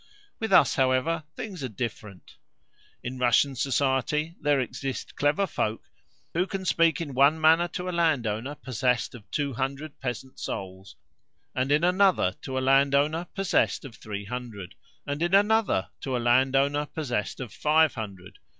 With us, however, things are different. In Russian society there exist clever folk who can speak in one manner to a landowner possessed of two hundred peasant souls, and in another to a landowner possessed of three hundred, and in another to a landowner possessed of five hundred.